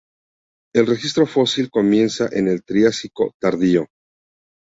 El registro fósil comienza en el Triásico tardío.